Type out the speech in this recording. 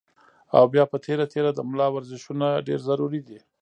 او بيا پۀ تېره تېره د ملا ورزشونه ډېر ضروري دي